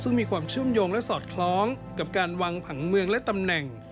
ซึ่งมีความเชื่อมโยงและสอดคล้องกับการวางผังเมืองและตำแหน่ง